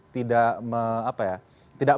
tidak apa ya tidak